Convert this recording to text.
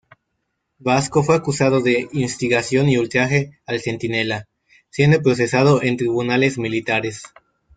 Vasco fue acusado de instigación y ultraje al centinela, siendo procesado en tribunales militares.